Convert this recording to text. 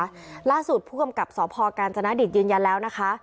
ล่าสุดผู้กำกับสพกาญจนดิตยืนยันแล้วนะคะ